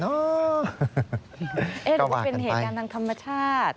เป็นเหตุการณ์ทางธรรมชาติ